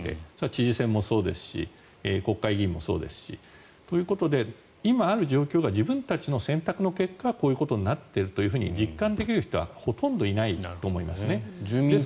知事選もそうですし国会議員もそうですし。ということで、今ある状況が自分たちの選択の結果こういうことになっているというふうに実感できる人はほとんどいないと思いますね。